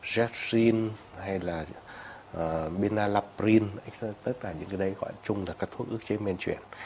tất cả những cái đấy gọi chung là các thuốc ức chế men chuyển